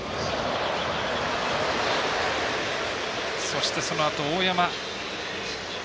そして、そのあと大山。